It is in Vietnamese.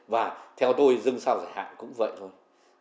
và theo tôi dân sao giải hạn cũng vậy thôi